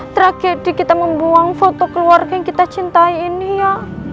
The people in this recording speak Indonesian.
tragedi kita membuang foto keluarga yang kita cintai ini ya